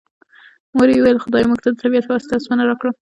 مور یې وویل خدای موږ ته د طبیعت په واسطه اوسپنه راکړه